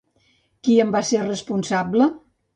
Qui en va ser responsable?